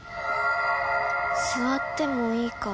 座ってもいいか？